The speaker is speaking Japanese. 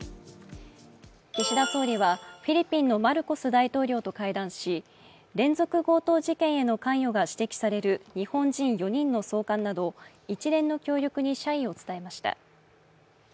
岸田総理はフィリピンのマルコス大統領と会談し連続強盗事件への関与が指摘される日本人４人の送還など一連の協力に謝意を伝えました。